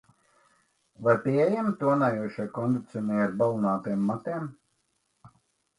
Vai pieejami tonējošie kondicionieri balinātiem matiem?